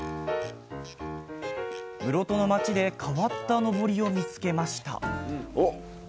室戸の街で変わったのぼりを見つけましたおっ！